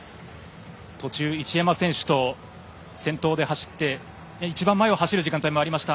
途中、一山選手と先頭で走って一番前を走る時間帯もありました。